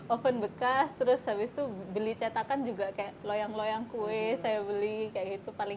oven bekas terus habis itu beli cetakan juga kayak loyang loyang kue saya beli kayak gitu paling